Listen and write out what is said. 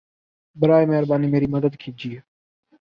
براہِ مہربانی میری مدد کیجیے